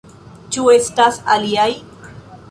Ĉu estas aliaj?